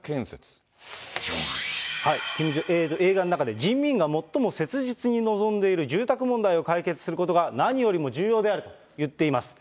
映画の中で、人民が最も切実に望んでいる住宅問題を解決することが何よりも重要であると言っています。